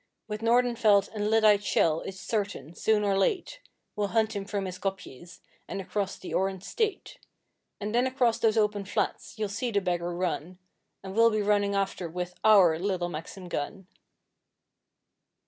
With Nordenfeldt and lyddite shell it's certain, soon or late, We'll hunt him from his kopjes and across the Orange State; And then across those open flats you'll see the beggar run, And we'll be running after with OUR little Maxim gun.